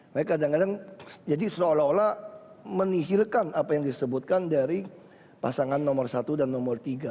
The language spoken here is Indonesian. mereka kadang kadang jadi seolah olah menihilkan apa yang disebutkan dari pasangan nomor satu dan nomor tiga